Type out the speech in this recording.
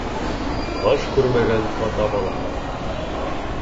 Аш күрмәгән ата балаһы.